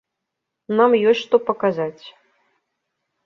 Нам ёсць што паказаць.